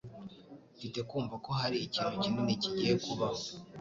Mfite kumva ko hari ikintu kinini kigiye kubaho.